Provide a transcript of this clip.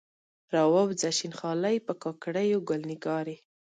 راووځه شین خالۍ، په کاکړیو ګل نګارې